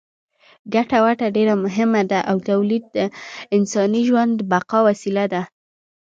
ګټه وټه ډېره مهمه ده او تولید د انساني ژوند د بقا وسیله ده.